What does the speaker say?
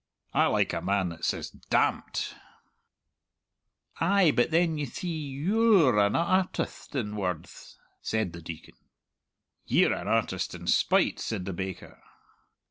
I like a man that says 'Dahm't.'" "Ay; but then, you thee, you're an artitht in wordth," said the Deacon. "Ye're an artist in spite," said the baker.